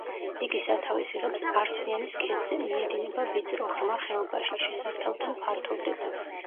იგი სათავეს იღებს არსიანის ქედზე, მიედინება ვიწრო, ღრმა ხეობაში, შესართავთან ფართოვდება.